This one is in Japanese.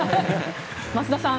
増田さん